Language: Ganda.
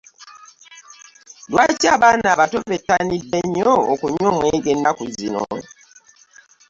Lwaki abaana abato bettanidde nnyo okunywa omwenge ennaku zino.